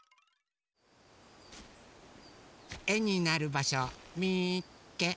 えになるばしょみっけ！